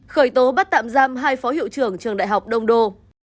khởi tố bắt tạm giam hai phó hiệu trưởng trường đại học đông đô